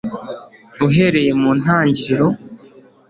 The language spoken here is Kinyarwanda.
uhereye mu ntangiriro